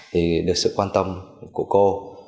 thì được sự quan tâm của cô